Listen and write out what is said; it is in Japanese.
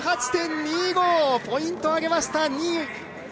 ８８．２５、ポイントを上げました、２位。